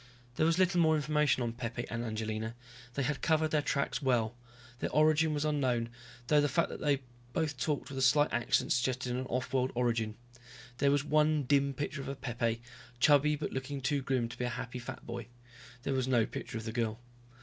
There was little more information on Pepe and Angelina, they had covered their tracks well. Their origin was unknown, though the fact they both talked with a slight accent suggested an off world origin. There was one dim picture of Pepe, chubby but looking too grim to be a happy fat boy. There was no picture of the girl.